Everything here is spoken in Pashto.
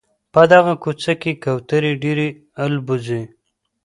په دغه کوڅه کي کوتري ډېري البوځي.